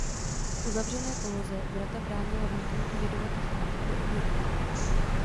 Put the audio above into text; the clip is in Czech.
V uzavřené poloze vrata bránila vniknutí jedovatých látek do objektu.